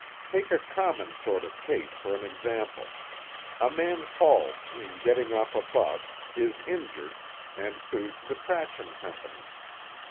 Take a common sort of case for an example: a man falls in getting off a bus, is injured, and sues the traction company.